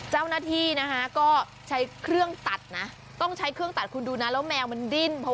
หน้าตัวเธอก็ต้องใช้เครื่องตัดดูนะแล้วแมวมันดิ้น